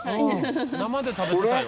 生で食べてたよ。